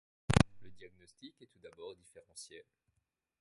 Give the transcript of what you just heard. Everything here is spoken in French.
Le diagnostic est tout d'abord différentiel.